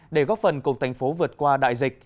để góp phần cùng thành phố vượt qua đại dịch